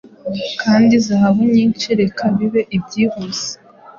Kandi zahabu nyinshi Reka bibe byihuse